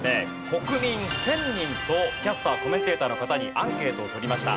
国民１０００人とキャスターコメンテーターの方にアンケートを取りました。